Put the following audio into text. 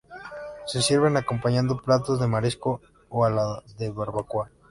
Se sirven acompañando platos de marisco o a la barbacoa.